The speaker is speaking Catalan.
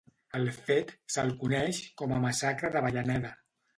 Al fet, se'l coneix com a Massacre d'Avellaneda.